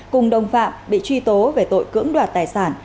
cùng đồng phạm bị truy tố về tội cưỡng đoạt tài sản